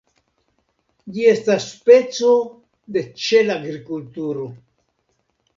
Ĝi estas speco de ĉelagrikulturo.